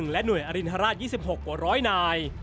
และหน่วยอรินทราช๒๖กว่าร้อยนาย